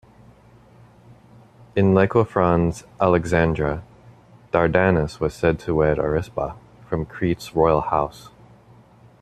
In Lycophron's Alexandra, Dardanus was said to wed Arisba from "Crete's royal house".